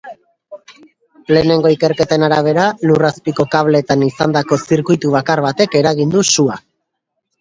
Lehenengo ikerketen arabera, lur azpiko kableetan izandako zirkuitubakar batek eragin du sua.